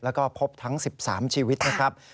แล้วก็พบทั้ง๑๓ชีวิตนะครับ